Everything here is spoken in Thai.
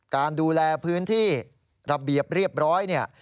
การดูแลพื้นที่ระเบียบเรียบร้อยเนี่ย